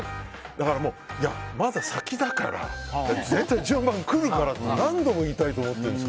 まだ先だから絶対順番来るからって何度も言いたいと思ってるんです。